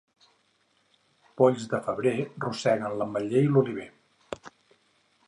Polls de febrer roseguen l'ametller i l'oliver.